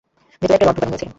ভেতরে একটা রড ঢুকানো হয়েছিল।